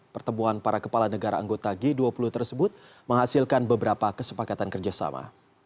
pertemuan para kepala negara anggota g dua puluh tersebut menghasilkan beberapa kesepakatan kerjasama